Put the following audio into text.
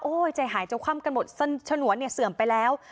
ใจหายจะคว่ำกันหมดฉนวนเนี่ยเสื่อมไปแล้ว